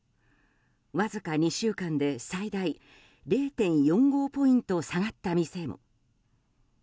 わずか２週間で最大０．４５ポイント下がった店も。